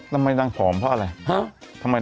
ทำไมนางผอมเพราะอะไร